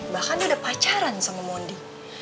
bahkan dia udah pacaran sama mondi